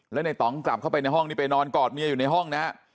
แล้วในต่องกลับเข้าไปในห้องนี้ไปนอนกอดเมียอยู่ในห้องนะฮะ